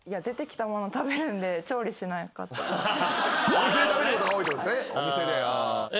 お店で食べることが多いってことですね。